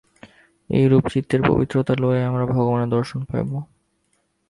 এইরূপে চিত্তের পবিত্রতা লইয়াই আমরা ভগবানের দর্শন পাইব।